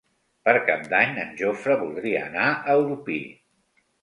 Per Cap d'Any en Jofre voldria anar a Orpí.